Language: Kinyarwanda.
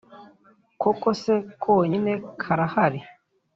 ko kose konyine karahari